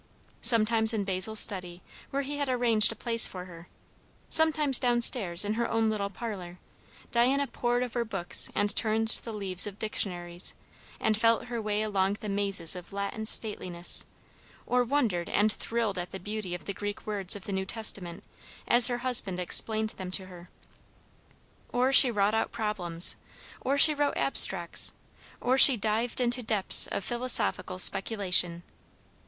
Sometimes in Basil's study, where he had arranged a place for her, sometimes down stairs in her own little parlour, Diana pored over books and turned the leaves of dictionaries; and felt her way along the mazes of Latin stateliness, or wondered and thrilled at the beauty of the Greek words of the New Testament as her husband explained them to her. Or she wrought out problems; or she wrote abstracts; or she dived into depths of philosophical speculation.